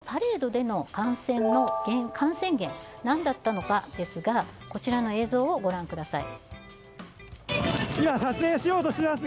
このパレードでの感染源は何だったのかですがこちらの映像をご覧ください。